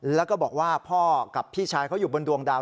แล้วก็บอกว่าพ่อกับพี่ชายเขาอยู่บนดวงดาว